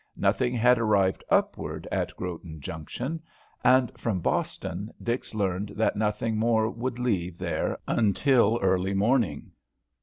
Nothing had arrived upward at Groton Junction; and, from Boston, Dix learned that nothing more would leave there till early morning.